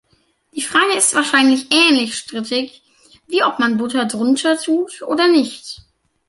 Die Frage ist wahrscheinlich ähnlich strittig wie ob man Butter drunter tut, oder nicht.